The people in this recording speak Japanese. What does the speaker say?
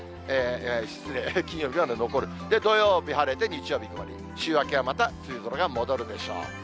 失礼、金曜日まで残る、土曜日晴れて、日曜日曇り、週明けはまた梅雨空が戻るでしょう。